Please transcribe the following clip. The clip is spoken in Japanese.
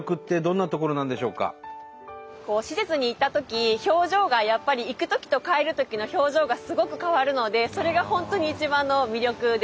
施設に行ったとき表情がやっぱり行くときと帰るときの表情がすごく変わるのでそれが本当に一番の魅力です。